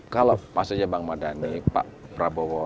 kalau pas aja bang madani pak prabowo